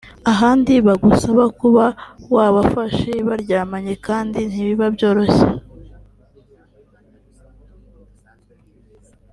ahandi bagusaba kuba wabafashe baryamanye kandi ntibiba byoroshye